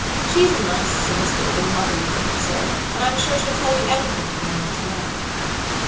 She's a nice, civil spoken, motherly woman, sir, and I'm sure she'll tell you anything you may want to know."